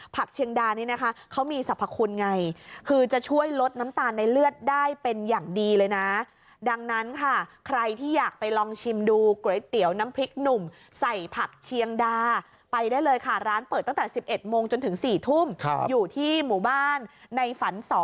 เชียงดานี่นะคะเขามีสรรพคุณไงคือจะช่วยลดน้ำตาลในเลือดได้เป็นอย่างดีเลยนะดังนั้นค่ะใครที่อยากไปลองชิมดูก๋วยเตี๋ยวน้ำพริกหนุ่มใส่ผักเชียงดาไปได้เลยค่ะร้านเปิดตั้งแต่๑๑โมงจนถึง๔ทุ่มอยู่ที่หมู่บ้านในฝัน๒